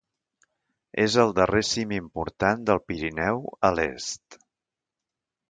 És el darrer cim important del Pirineu a l'est.